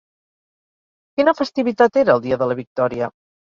Quina festivitat era el dia de la victòria?